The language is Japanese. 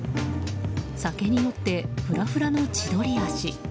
酒に酔って、フラフラの千鳥足。